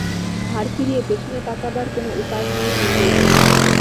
ঘাড় ফিরিয়ে পেছনে তাকাবার কোনো উপায় নেই নীলুর।